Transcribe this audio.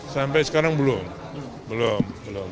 sampai sekarang belum belum